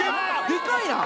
でかいな！